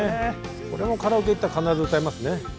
これもカラオケ行ったら必ず歌いますね。